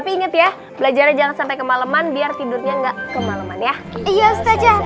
tapi inget ya belajar jangan sampai kemaleman biar tidurnya enggak kemalemannya iya saja